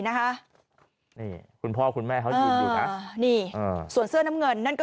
นะคะคุณพ่อคุณแม่เขาอยู่ดูนะนี่ส่วนเสื้อน้ำเงินนั่นก็